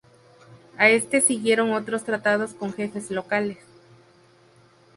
A este siguieron otros tratados con jefes locales.